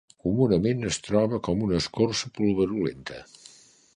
Comunament es troba com una escorça pulverulenta.